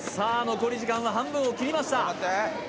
残り時間は半分を切りました